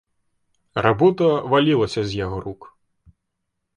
Работа валілася з яго рук.